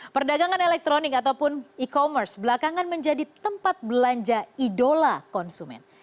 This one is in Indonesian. perdagangan elektronik ataupun e commerce belakangan menjadi tempat belanja idola konsumen